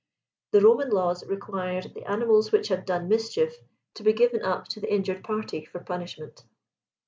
The .Roman laws required the animals which had done mischief to be given up to the in 133 .• jured party for punishment.